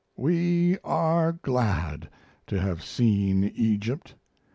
We are glad to have seen Egypt.